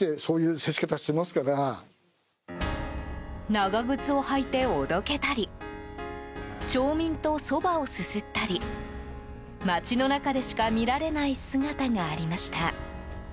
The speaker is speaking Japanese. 長靴を履いておどけたり町民とそばをすすったり町の中でしか見られない姿がありました。